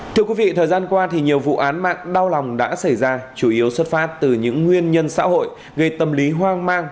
thưa quý vị thời gian qua nhiều vụ án mạng đau lòng đã xảy ra chủ yếu xuất phát từ những nguyên nhân xã hội gây tâm lý hoang mang